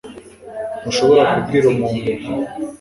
Ntushobora kubwira umuntu ibi